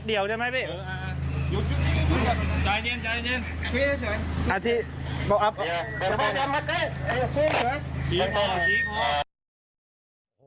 เชิญเจ้ารับทรัพย์